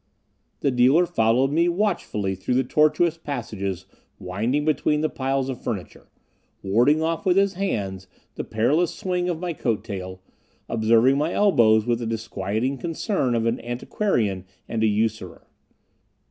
The dealer followed me watchfully through the tortuous passages winding between the piles of furniture, warding off with his hands the perilous swing of my coat tail, observing my elbows with the disquieting concern of an antiquarian and a usurer.